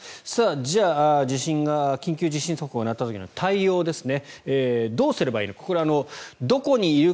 じゃあ、緊急地震速報が鳴った時の対応ですね。